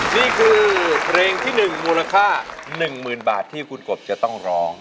นี่คือเพลงที่๑มูลค่า๑๐๐๐บาทที่คุณกบจะต้องร้อง